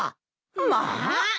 まあ！